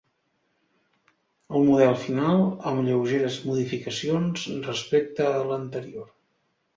El model final, un amb lleugeres modificacions respecte a l'anterior.